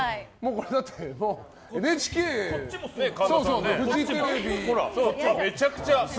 これだって、ＮＨＫとフジテレビ。